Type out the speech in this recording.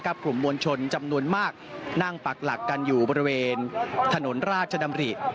กลุ่มมวลชนจำนวนมากนั่งปักหลักกันอยู่บริเวณถนนราชดำริ